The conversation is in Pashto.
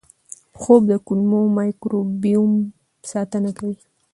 خوب د کولمو مایکروبیوم ساتنه کوي.